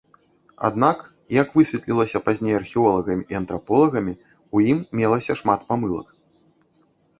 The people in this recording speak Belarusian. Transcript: Аднак, як высветлілася пазней археолагамі і антраполагамі, у ім мелася шмат памылак.